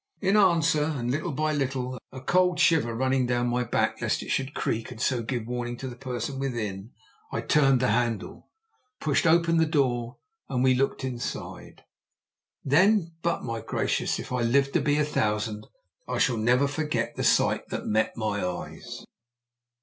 In answer, and little by little, a cold shiver running down my back lest it should creak and so give warning to the person within, I turned the handle, pushed open the door, and we looked inside. Then but, my gracious! if I live to be a thousand I shall never forget the sight that met my eyes.